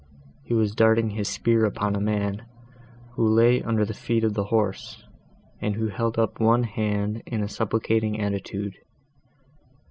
—He was darting his spear upon a man, who lay under the feet of the horse, and who held up one hand in a supplicating attitude.